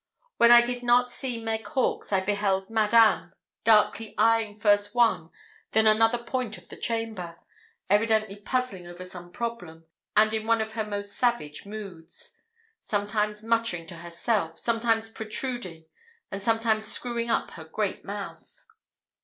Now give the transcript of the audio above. When I did not see Meg Hawkes, I beheld Madame darkly eyeing first one then another point of the chamber, evidently puzzling over some problem, and in one of her most savage moods sometimes muttering to herself, sometimes protruding, and sometimes screwing up her great mouth.